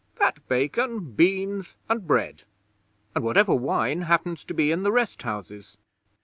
'Fat bacon, beans, and bread, and whatever wine happens to be in the rest houses.